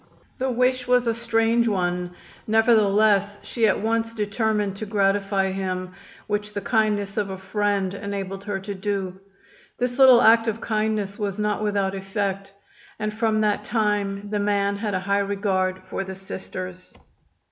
The wish was a strange one, nevertheless she at once determined to gratify him, which the kindness of a friend enabled her to do. This little act of kindness was not without effect, and from that time the man had a high regard for the Sisters.